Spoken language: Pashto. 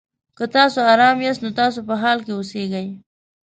که تاسو ارامه یاست؛ نو تاسو په حال کې اوسېږئ.